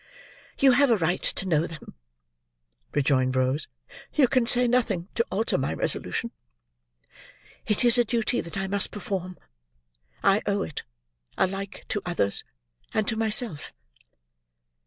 "You have a right to know them," rejoined Rose. "You can say nothing to alter my resolution. It is a duty that I must perform. I owe it, alike to others, and to myself."